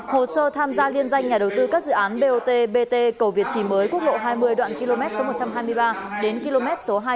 hồ sơ tham gia liên danh nhà đầu tư các dự án bot bt cầu việt trì mới quốc lộ hai mươi đoạn km một trăm hai mươi ba đến km hai trăm sáu mươi tám